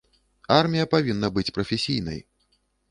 Армія павінна быць прафесійнай.